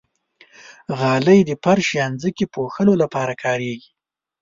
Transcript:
غالۍ د فرش یا ځمکې پوښلو لپاره کارېږي.